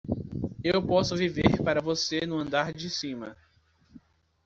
Eu posso viver para você no andar de cima.